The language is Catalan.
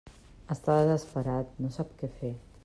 Està desesperat, no sap què fer.